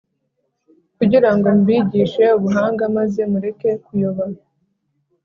kugira ngo mbigishe ubuhanga maze mureke kuyoba.